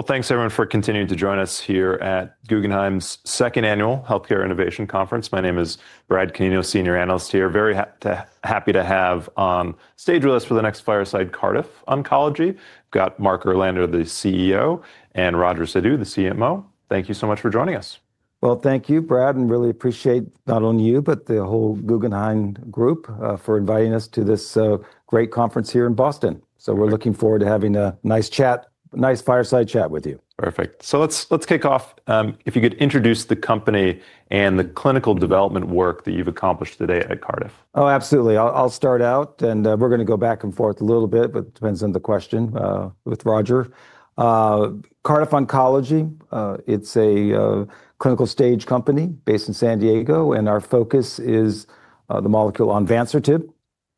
Thank you everyone for continuing to join us here at Guggenheim's Second Annual Healthcare Innovation Conference. My name is Brad Canino, Senior Analyst here. Very happy to have on stage with us for the next Fireside Cardiff Oncology. We have Marc Erlander, the CEO, and Roger Sidhu, the CMO. Thank you so much for joining us. Thank you, Brad, and really appreciate not only you, but the whole Guggenheim group for inviting us to this great conference here in Boston. We are looking forward to having a nice chat, a nice fireside chat with you. Perfect. Let's kick off. If you could introduce the company and the clinical development work that you've accomplished to date at Cardiff. Oh, absolutely. I'll start out, and we're going to go back and forth a little bit, but it depends on the question, with Roger. Cardiff Oncology, it's a clinical-stage company based in San Diego, and our focus is the molecule onvansertib.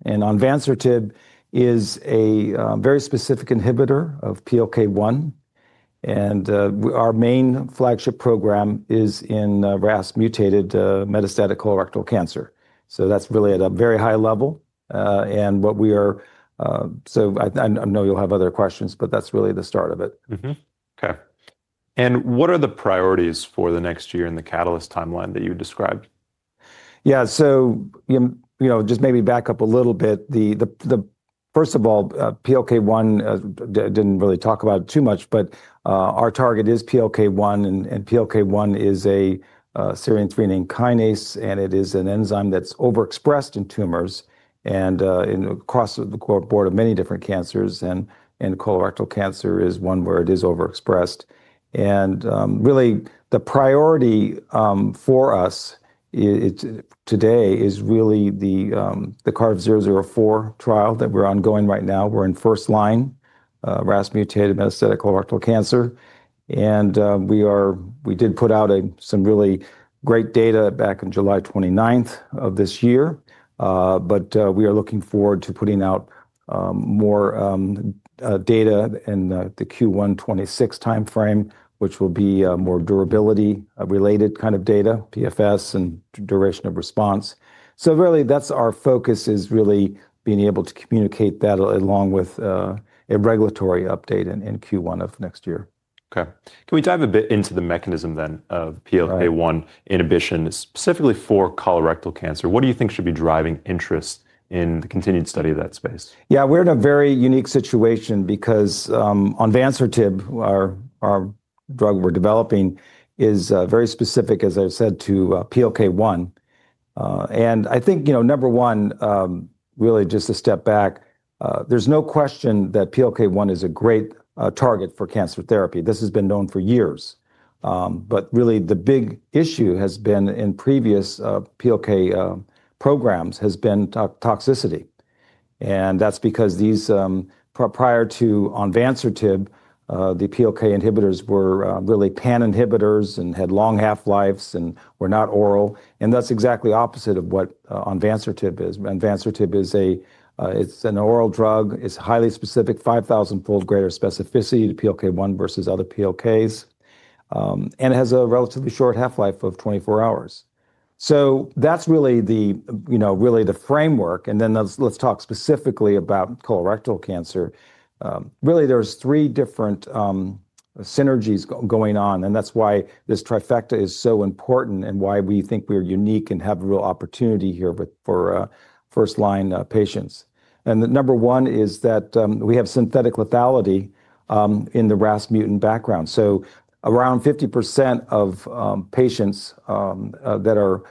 And onvansertib is a very specific inhibitor of PLK1. And our main flagship program is in RAS-mutated metastatic colorectal cancer. That's really at a very high level. What we are, so I know you'll have other questions, but that's really the start of it. Okay. What are the priorities for the next year in the catalyst timeline that you described? Yeah, so just maybe back up a little bit. First of all, PLK1, I did not really talk about it too much, but our target is PLK1, and PLK1 is a serine/threonine kinase, and it is an enzyme that is overexpressed in tumors and across the board of many different cancers. Colorectal cancer is one where it is overexpressed. Really, the priority for us today is the CARD-004 trial that we are ongoing right now. We are in first line, RAS-mutated metastatic colorectal cancer. We did put out some really great data back on July 29 of this year. We are looking forward to putting out more data in the Q1 2026 timeframe, which will be more durability-related kind of data, PFS and duration of response. Really, that is our focus, being able to communicate that along with a regulatory update in Q1 of next year. Okay. Can we dive a bit into the mechanism then of PLK1 inhibition specifically for colorectal cancer? What do you think should be driving interest in the continued study of that space? Yeah, we're in a very unique situation because onvansertib, our drug we're developing, is very specific, as I've said, to PLK1. I think, you know, number one, really just to step back, there's no question that PLK1 is a great target for cancer therapy. This has been known for years. The big issue has been in previous PLK programs has been toxicity. That's because prior to onvansertib, the PLK inhibitors were really pan-inhibitors and had long half-lives and were not oral. That's exactly opposite of what onvansertib is. Onvansertib, it's an oral drug. It's highly specific, 5,000-fold greater specificity to PLK1 versus other PLKs. It has a relatively short half-life of 24 hours. That's really the framework. Let's talk specifically about colorectal cancer. Really, there's three different synergies going on, and that's why this trifecta is so important and why we think we're unique and have a real opportunity here for first-line patients. Number one is that we have synthetic lethality in the RAS-mutant background. Around 50% of patients that are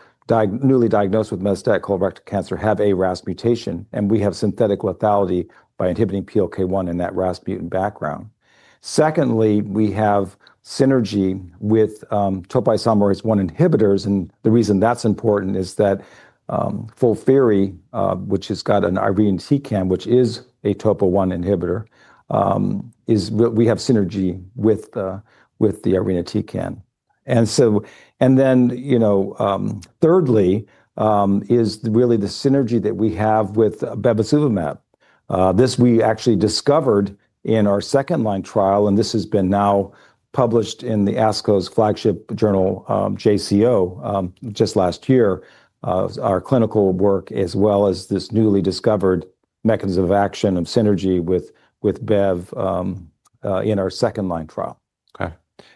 newly diagnosed with metastatic colorectal cancer have a RAS mutation, and we have synthetic lethality by inhibiting PLK1 in that RAS-mutant background. Secondly, we have synergy with topoisomerase I inhibitors. The reason that's important is that FOLFIRI, which has got an irinotecan, which is a topo I inhibitor, we have synergy with the irinotecan. And then, you know, thirdly is really the synergy that we have with bevacizumab. This we actually discovered in our second-line trial, and this has been now published in ASCO's flagship journal, JCO, just last year, our clinical work as well as this newly discovered mechanism of action of synergy with BEV in our second-line trial. Okay.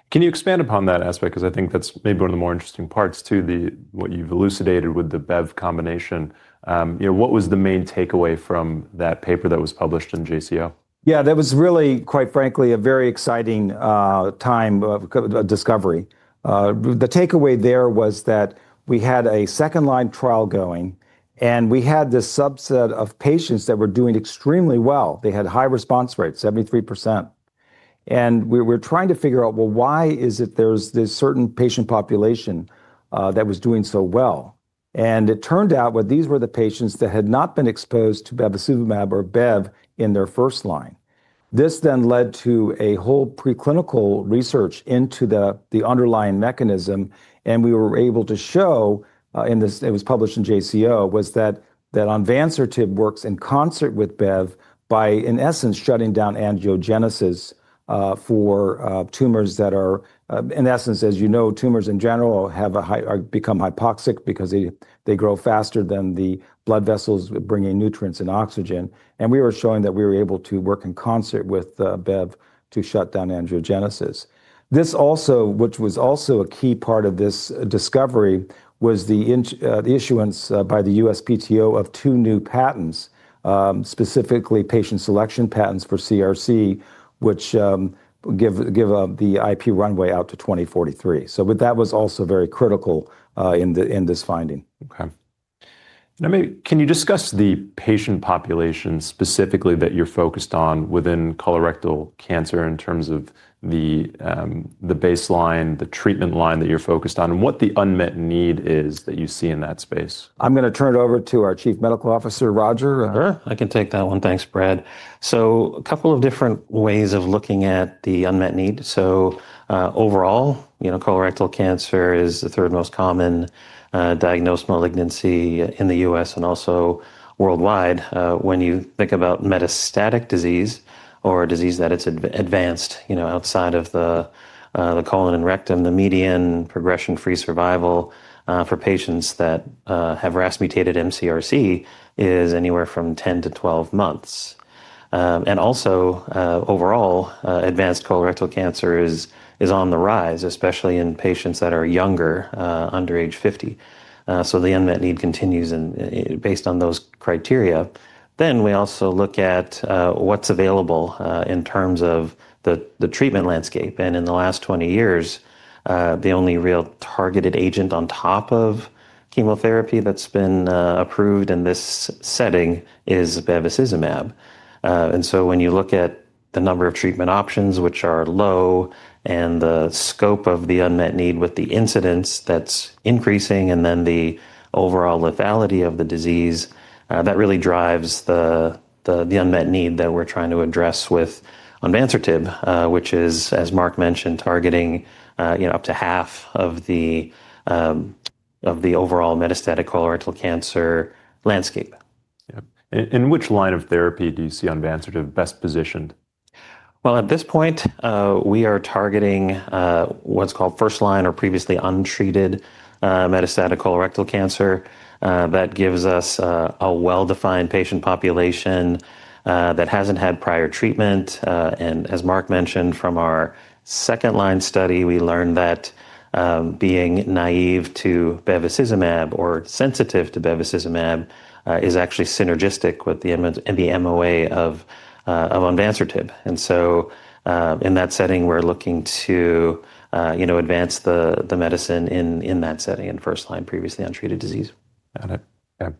Can you expand upon that aspect? Because I think that's maybe one of the more interesting parts to what you've elucidated with the BEV combination. What was the main takeaway from that paper that was published in JCO? Yeah, that was really, quite frankly, a very exciting time of discovery. The takeaway there was that we had a second-line trial going, and we had this subset of patients that were doing extremely well. They had high response rates, 73%. We were trying to figure out, well, why is it there's this certain patient population that was doing so well? It turned out that these were the patients that had not been exposed to bevacizumab or BEV in their first line. This then led to a whole preclinical research into the underlying mechanism. We were able to show, and it was published in JCO, that onvansertib works in concert with BEV by, in essence, shutting down angiogenesis for tumors that are, in essence, as you know, tumors in general have become hypoxic because they grow faster than the blood vessels bringing nutrients and oxygen. We were showing that we were able to work in concert with BEV to shut down angiogenesis. This also, which was also a key part of this discovery, was the issuance by the USPTO of two new patents, specifically patient selection patents for CRC, which give the IP runway out to 2043. That was also very critical in this finding. Okay. Can you discuss the patient population specifically that you're focused on within colorectal cancer in terms of the baseline, the treatment line that you're focused on, and what the unmet need is that you see in that space? I'm going to turn it over to our Chief Medical Officer, Roger. Sure. I can take that one. Thanks, Brad. A couple of different ways of looking at the unmet need. Overall, colorectal cancer is the third most common diagnosed malignancy in the U.S. and also worldwide. When you think about metastatic disease or a disease that is advanced outside of the colon and rectum, the median progression-free survival for patients that have RAS-mutated MCRC is anywhere from 10-12 months. Also, overall, advanced colorectal cancer is on the rise, especially in patients that are younger, under age 50. The unmet need continues based on those criteria. We also look at what is available in terms of the treatment landscape. In the last 20 years, the only real targeted agent on top of chemotherapy that has been approved in this setting is bevacizumab. When you look at the number of treatment options, which are low, and the scope of the unmet need with the incidence that's increasing, and then the overall lethality of the disease, that really drives the unmet need that we're trying to address with onvansertib, which is, as Marc mentioned, targeting up to half of the overall metastatic colorectal cancer landscape. Yeah. Which line of therapy do you see onvansertib best positioned? At this point, we are targeting what's called first-line or previously untreated metastatic colorectal cancer. That gives us a well-defined patient population that hasn't had prior treatment. As Marc mentioned, from our second-line study, we learned that being naive to bevacizumab or sensitive to bevacizumab is actually synergistic with the MOA of onvansertib. In that setting, we're looking to advance the medicine in that setting in first-line, previously untreated disease. Got it.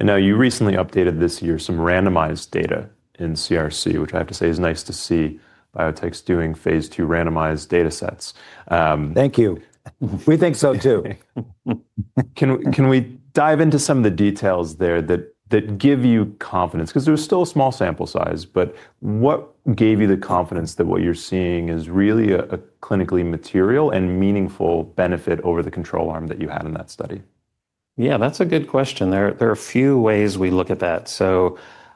Yeah. You recently updated this year some randomized data in CRC, which I have to say is nice to see biotechs doing phase two randomized data sets. Thank you. We think so too. Can we dive into some of the details there that give you confidence? Because there was still a small sample size, but what gave you the confidence that what you're seeing is really a clinically material and meaningful benefit over the control arm that you had in that study? Yeah, that's a good question. There are a few ways we look at that.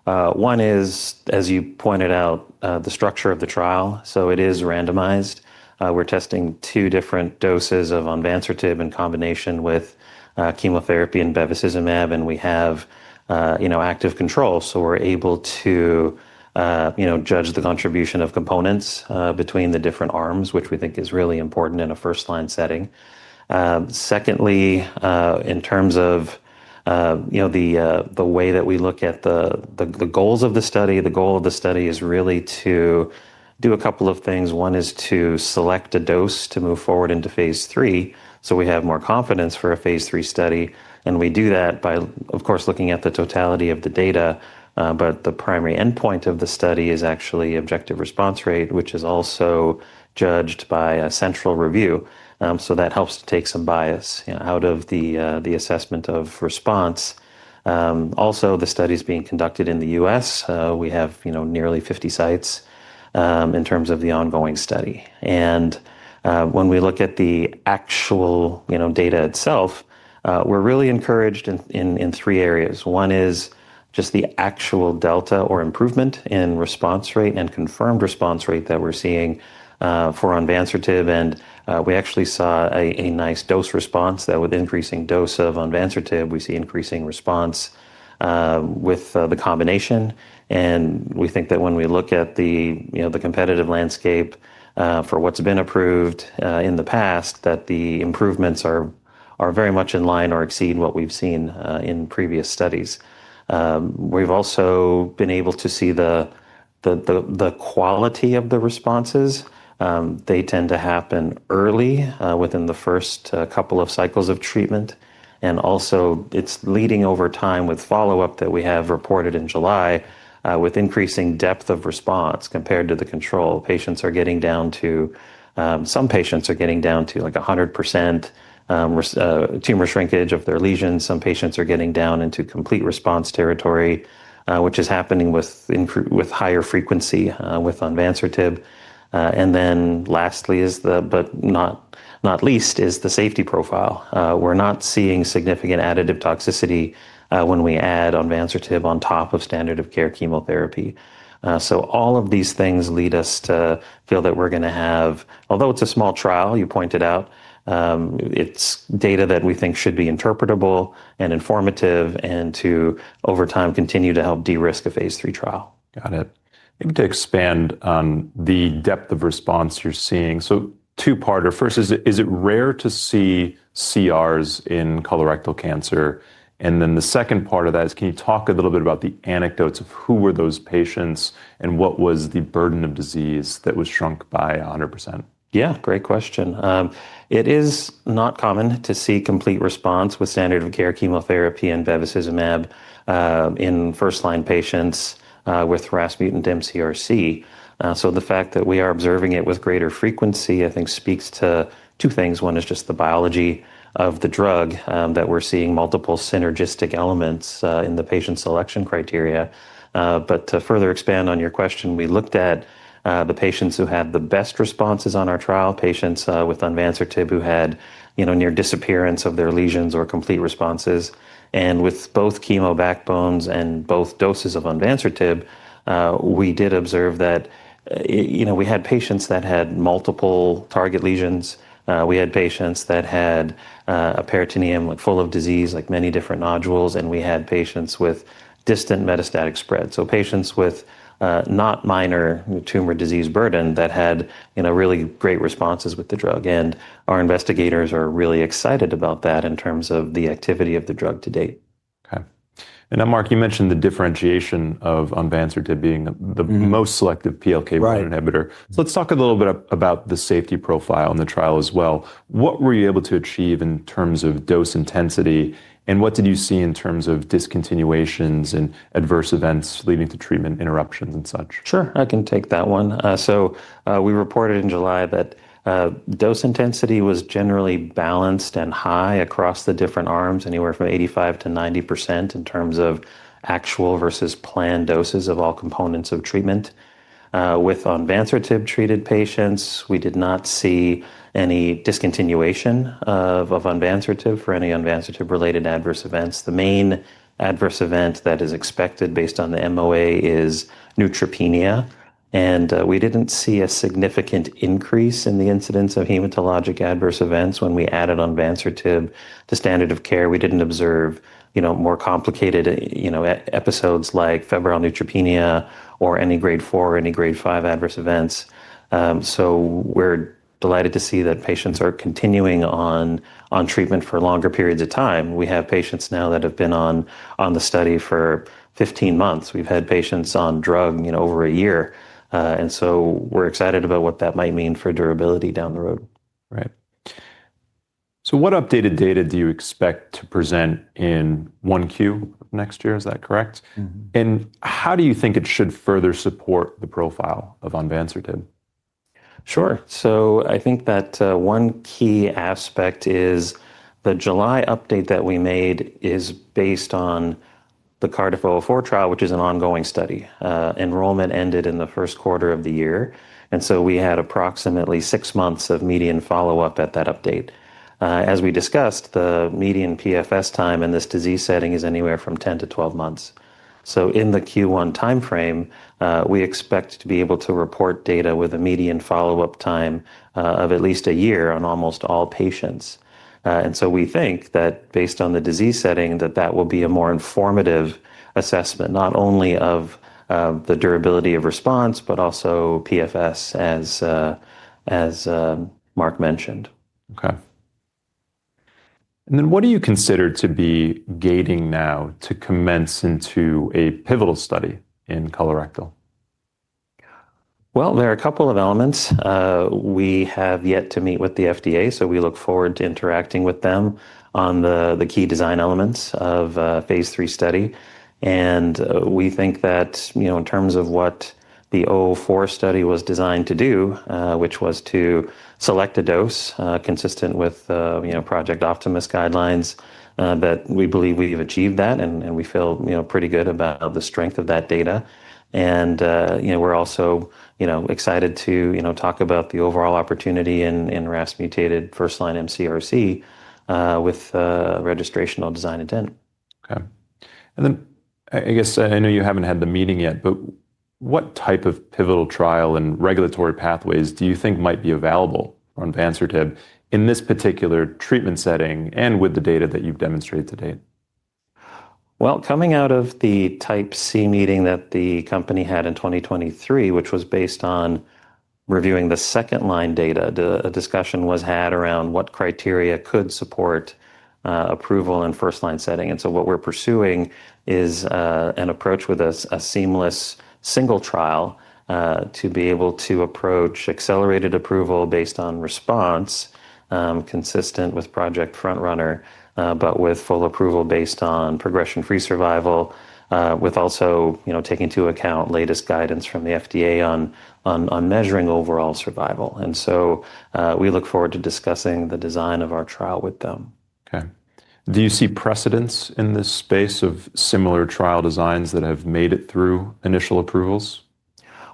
One is, as you pointed out, the structure of the trial. It is randomized. We're testing two different doses of onvansertib in combination with chemotherapy and bevacizumab, and we have active control. We're able to judge the contribution of components between the different arms, which we think is really important in a first-line setting. Secondly, in terms of the way that we look at the goals of the study, the goal of the study is really to do a couple of things. One is to select a dose to move forward into phase three. We have more confidence for a phase three study. We do that by, of course, looking at the totality of the data. The primary endpoint of the study is actually objective response rate, which is also judged by a central review. That helps to take some bias out of the assessment of response. Also, the study is being conducted in the U.S. We have nearly 50 sites in terms of the ongoing study. When we look at the actual data itself, we're really encouraged in three areas. One is just the actual delta or improvement in response rate and confirmed response rate that we're seeing for onvansertib. We actually saw a nice dose response that with increasing dose of onvansertib, we see increasing response with the combination. We think that when we look at the competitive landscape for what's been approved in the past, the improvements are very much in line or exceed what we've seen in previous studies. We've also been able to see the quality of the responses. They tend to happen early within the first couple of cycles of treatment. It is also leading over time with follow-up that we have reported in July with increasing depth of response compared to the control. Patients are getting down to, some patients are getting down to like 100% tumor shrinkage of their lesions. Some patients are getting down into complete response territory, which is happening with higher frequency with onvansertib. Lastly, but not least, is the safety profile. We're not seeing significant additive toxicity when we add onvansertib on top of standard of care chemotherapy. All of these things lead us to feel that we're going to have, although it's a small trial, you pointed out, it's data that we think should be interpretable and informative and to over time continue to help de-risk a phase three trial. Got it. Maybe to expand on the depth of response you're seeing. Two-part. First, is it rare to see CRs in colorectal cancer? The second part of that is, can you talk a little bit about the anecdotes of who were those patients and what was the burden of disease that was shrunk by 100%? Yeah, great question. It is not common to see complete response with standard of care chemotherapy and bevacizumab in first-line patients with RAS-mutant MCRC. The fact that we are observing it with greater frequency, I think, speaks to two things. One is just the biology of the drug that we're seeing, multiple synergistic elements in the patient selection criteria. To further expand on your question, we looked at the patients who had the best responses on our trial, patients with onvansertib who had near disappearance of their lesions or complete responses. With both chemo backbones and both doses of onvansertib, we did observe that we had patients that had multiple target lesions. We had patients that had a peritoneum full of disease, like many different nodules, and we had patients with distant metastatic spread. Patients with not minor tumor disease burden that had really great responses with the drug. Our investigators are really excited about that in terms of the activity of the drug to date. Okay. Marc, you mentioned the differentiation of onvansertib being the most selective PLK1 inhibitor. Let's talk a little bit about the safety profile in the trial as well. What were you able to achieve in terms of dose intensity? What did you see in terms of discontinuations and adverse events leading to treatment interruptions and such? Sure. I can take that one. We reported in July that dose intensity was generally balanced and high across the different arms, anywhere from 85% to 90% in terms of actual versus planned doses of all components of treatment. With onvansertib-treated patients, we did not see any discontinuation of onvansertib for any onvansertib-related adverse events. The main adverse event that is expected based on the MOA is neutropenia. We did not see a significant increase in the incidence of hematologic adverse events when we added onvansertib to standard of care. We did not observe more complicated episodes like febrile neutropenia or any Grade 4 or any Grade 5 adverse events. We are delighted to see that patients are continuing on treatment for longer periods of time. We have patients now that have been on the study for 15 months. We've had patients on drug over a year. We are excited about what that might mean for durability down the road. Right. So what updated data do you expect to present in 1Q next year? Is that correct? And how do you think it should further support the profile of onvansertib? Sure. I think that one key aspect is the July update that we made is based on the Cardiff O4 trial, which is an ongoing study. Enrollment ended in the first quarter of the year. We had approximately six months of median follow-up at that update. As we discussed, the median PFS time in this disease setting is anywhere from 10-12 months. In the Q1 timeframe, we expect to be able to report data with a median follow-up time of at least a year on almost all patients. We think that based on the disease setting, that will be a more informative assessment, not only of the durability of response, but also PFS as Marc mentioned. Okay. What do you consider to be gating now to commence into a pivotal study in colorectal? There are a couple of elements. We have yet to meet with the FDA, so we look forward to interacting with them on the key design elements of phase three study. We think that in terms of what the O4 study was designed to do, which was to select a dose consistent with Project Optimus guidelines, we believe we've achieved that. We feel pretty good about the strength of that data. We're also excited to talk about the overall opportunity in RAS-mutated first-line MCRC with registrational design intent. Okay. I guess I know you haven't had the meeting yet, but what type of pivotal trial and regulatory pathways do you think might be available onvansertib in this particular treatment setting and with the data that you've demonstrated to date? Coming out of the Type C meeting that the company had in 2023, which was based on reviewing the second-line data, a discussion was had around what criteria could support approval in the first-line setting. What we are pursuing is an approach with a seamless single trial to be able to approach accelerated approval based on response consistent with Project FrontRunner, but with full approval based on progression-free survival, also taking into account latest guidance from the FDA on measuring overall survival. We look forward to discussing the design of our trial with them. Okay. Do you see precedents in this space of similar trial designs that have made it through initial approvals?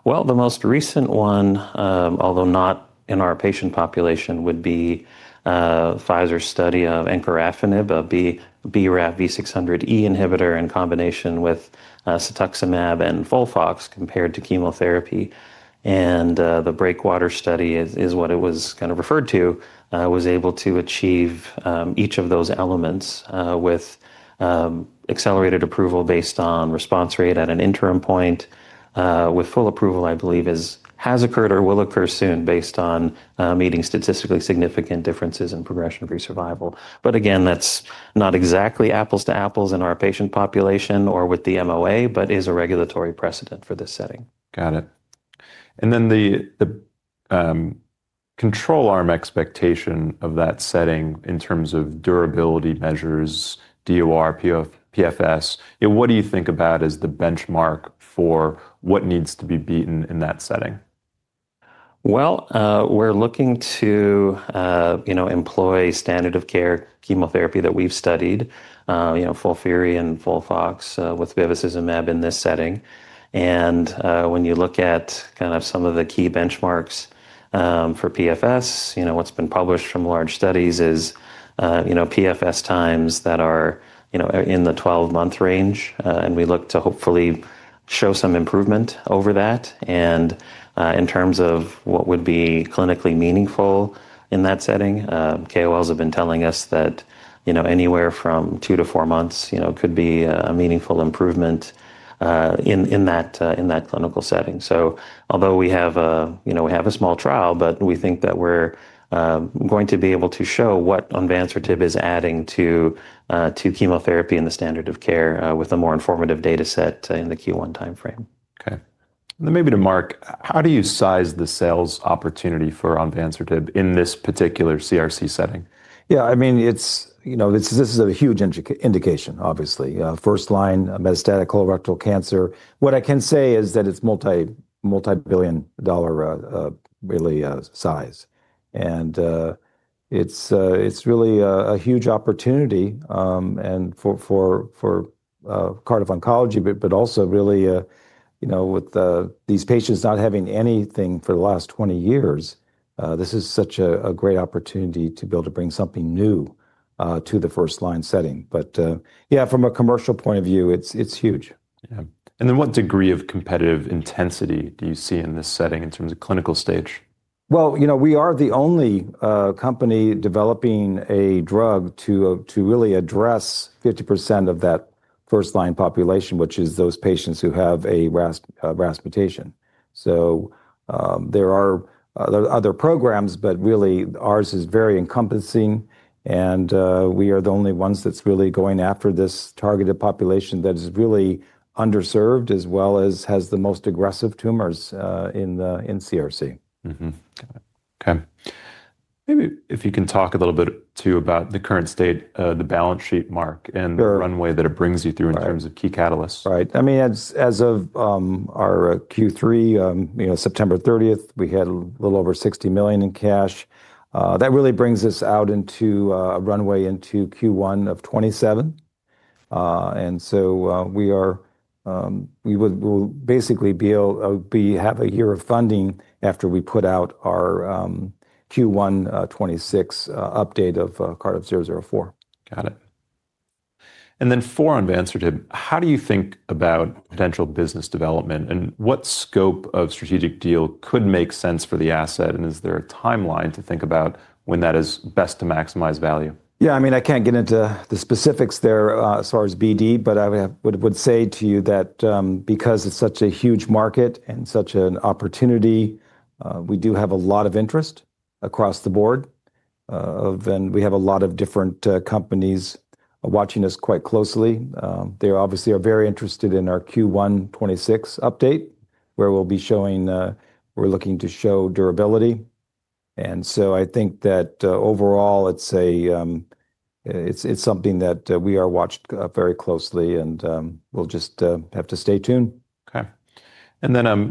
The most recent one, although not in our patient population, would be Pfizer's study of encorafenib, a BRAF V600E inhibitor in combination with cetuximab and FOLFOX compared to chemotherapy. The BREAKWATER study is what it was kind of referred to, was able to achieve each of those elements with accelerated approval based on response rate at an interim point with full approval, I believe, has occurred or will occur soon based on meeting statistically significant differences in progression-free survival. Again, that's not exactly apples to apples in our patient population or with the MOA, but is a regulatory precedent for this setting. Got it. And then the control arm expectation of that setting in terms of durability measures, DOR, PFS, what do you think about as the benchmark for what needs to be beaten in that setting? We're looking to employ standard of care chemotherapy that we've studied, FOLFIRI and FOLFOX with bevacizumab in this setting. When you look at kind of some of the key benchmarks for PFS, what's been published from large studies is PFS times that are in the 12-month range. We look to hopefully show some improvement over that. In terms of what would be clinically meaningful in that setting, KOLs have been telling us that anywhere from two to four months could be a meaningful improvement in that clinical setting. Although we have a small trial, we think that we're going to be able to show what onvansertib is adding to chemotherapy and the standard of care with a more informative data set in the Q1 timeframe. Okay. Maybe to Marc, how do you size the sales opportunity for onvansertib in this particular CRC setting? Yeah, I mean, this is a huge indication, obviously. First-line metastatic colorectal cancer, what I can say is that it's multi-billion dollar really size. And it's really a huge opportunity for Cardiff Oncology, but also really with these patients not having anything for the last 20 years, this is such a great opportunity to be able to bring something new to the first-line setting. Yeah, from a commercial point of view, it's huge. Yeah. And then what degree of competitive intensity do you see in this setting in terms of clinical stage? We are the only company developing a drug to really address 50% of that first-line population, which is those patients who have a RAS mutation. There are other programs, but really ours is very encompassing. We are the only ones that's really going after this targeted population that is really underserved as well as has the most aggressive tumors in CRC. Okay. Maybe if you can talk a little bit too about the current state, the balance sheet, Marc, and the runway that it brings you through in terms of key catalysts. Right. I mean, as of our Q3, September 30, we had a little over $60 million in cash. That really brings us out into a runway into Q1 of 2027. And so we will basically have a year of funding after we put out our Q1 2026 update of CARD-004. Got it. For onvansertib, how do you think about potential business development and what scope of strategic deal could make sense for the asset? Is there a timeline to think about when that is best to maximize value? Yeah, I mean, I can't get into the specifics there as far as BD, but I would say to you that because it's such a huge market and such an opportunity, we do have a lot of interest across the board. We have a lot of different companies watching us quite closely. They obviously are very interested in our Q1 2026 update, where we'll be showing, we're looking to show durability. I think that overall, it's something that we are watched very closely and we'll just have to stay tuned. Okay.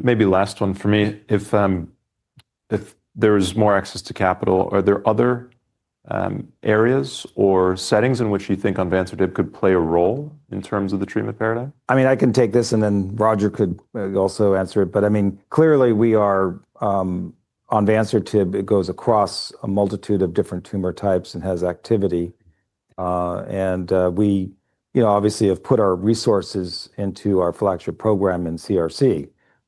Maybe last one for me, if there is more access to capital, are there other areas or settings in which you think onvansertib could play a role in terms of the treatment paradigm? I mean, I can take this and then Roger could also answer it. I mean, clearly we are onvansertib, it goes across a multitude of different tumor types and has activity. We obviously have put our resources into our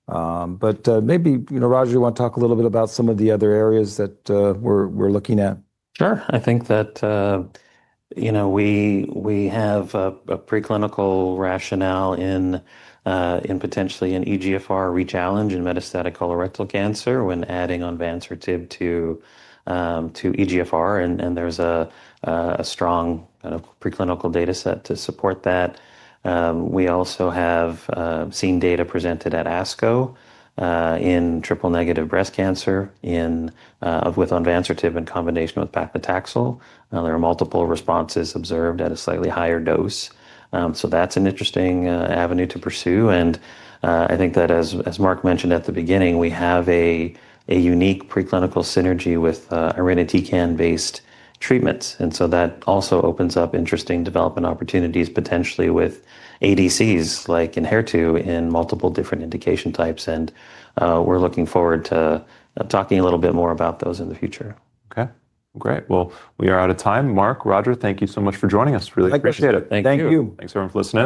flagship program in CRC. Maybe Roger, you want to talk a little bit about some of the other areas that we're looking at? Sure. I think that we have a preclinical rationale in potentially an EGFR rechallenge in metastatic colorectal cancer when adding onvansertib to EGFR. And there is a strong kind of preclinical data set to support that. We also have seen data presented at ASCO in triple-negative breast cancer with onvansertib in combination with paclitaxel. There are multiple responses observed at a slightly higher dose. That is an interesting avenue to pursue. I think that as Marc mentioned at the beginning, we have a unique preclinical synergy with irinotecan-based treatments. That also opens up interesting development opportunities potentially with ADCs like Enhertu in multiple different indication types. We are looking forward to talking a little bit more about those in the future. Okay. Great. We are out of time. Marc, Roger, thank you so much for joining us. Really appreciate it. I appreciate it. Thank you. Thanks everyone for listening.